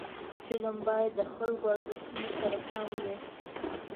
فلم باید د خلکو له ارزښتونو سره سم وي